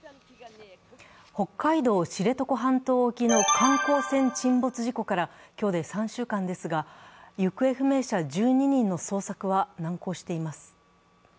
北海道知床半島沖の観光船沈没事故から今日で３週間ですが、行方不明者１２人の捜索は難航しています。